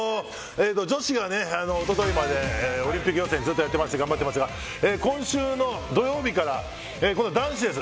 女子が一昨日までオリンピック予選をずっとやってて頑張ってましたが今週の土曜日から今度は男子です。